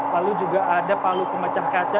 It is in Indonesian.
lalu juga ada palu pemecah kaca